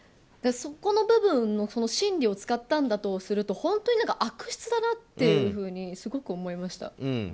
そこの部分の心理を使ったんだとすると本当に悪質だなっていうふうにすごく思いました。